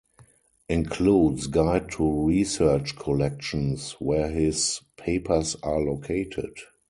Includes "Guide to Research Collections" where his papers are located.